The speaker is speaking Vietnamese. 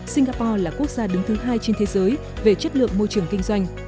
singapore là quốc gia đứng thứ hai trên thế giới về chất lượng môi trường kinh doanh